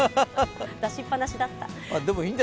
出しっぱなしだった。